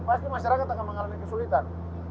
pasti masyarakat akan mengalami kesulitan